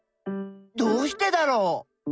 どうしてだろう？